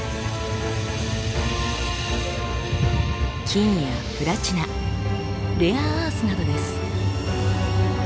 金やプラチナレアアースなどです。